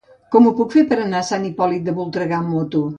Com ho puc fer per anar a Sant Hipòlit de Voltregà amb moto?